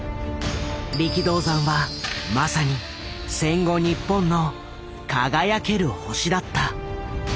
力道山はまさに戦後日本の輝ける星だった。